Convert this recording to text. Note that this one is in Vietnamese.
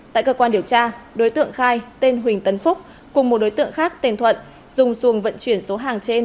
tại cơ quan điều tra đối tượng khai tên huỳnh tấn phúc cùng một đối tượng khác tên thuận dùng xuồng vận chuyển số hàng trên